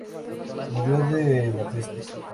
Murió de la peste.